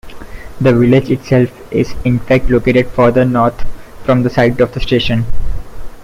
The village itself, is in-fact located further north from the site of the station.